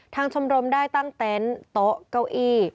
ชมรมได้ตั้งเต็นต์โต๊ะเก้าอี้